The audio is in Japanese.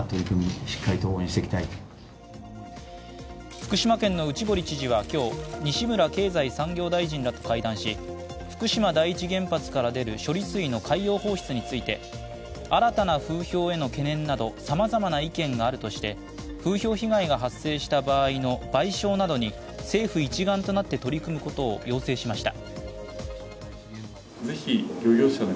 福島県の内堀知事は今日西村経済再生担当大臣らと会談し福島第一原発から出る処理水の海洋放出について新たな風評への懸念などさまざまな意見があるとして風評被害が発生した場合の賠償などに政府一丸となって取り組むことを要請しました。